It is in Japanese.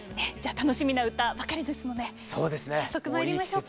楽しみな歌ばかりですので早速まいりましょうか。